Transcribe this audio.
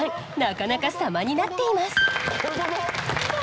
なかなか様になっています。